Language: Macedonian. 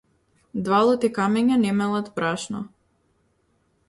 Два лути камења не мелат брашно.